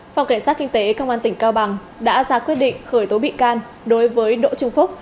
phòng cảnh sát kinh tế công an tỉnh cao bằng đã ra quyết định khởi tố bị can đối với đỗ trung phúc